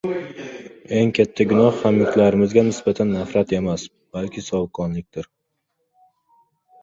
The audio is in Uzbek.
Eng katta gunoh hamyurtlarimizga nisbatan nafrat emas, balki sovuqqonlikdir.